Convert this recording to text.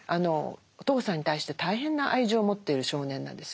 お父さんに対して大変な愛情を持ってる少年なんですよね。